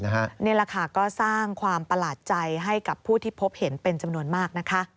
นี่แหละค่ะก็สร้างความประหลาดใจให้กับผู้ที่พบเห็นเป็นจำนวนมากนะคะ